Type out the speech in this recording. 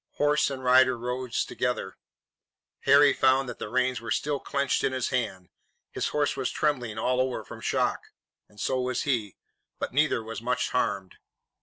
Horse and rider rose together. Harry found that the reins were still clenched in his hand. His horse was trembling all over from shock, and so was he, but neither was much harmed.